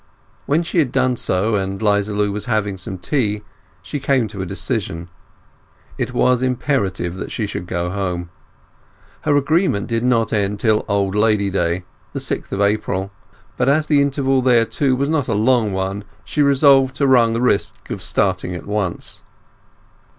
When she had done so, and 'Liza Lu was having some tea, she came to a decision. It was imperative that she should go home. Her agreement did not end till Old Lady Day, the sixth of April, but as the interval thereto was not a long one she resolved to run the risk of starting at once.